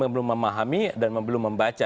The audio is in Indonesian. belum memahami dan belum membaca